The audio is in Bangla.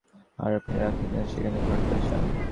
আর আপনি রাধেকে সেখানে পাঠাতে চান?